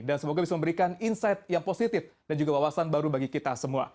dan semoga bisa memberikan insight yang positif dan juga wawasan baru bagi kita semua